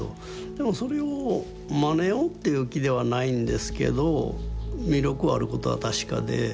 でもそれをまねようっていう気ではないんですけど魅力あることは確かで。